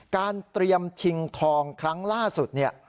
การเตรียมชิงทองครั้งล่าสุดเนี่ย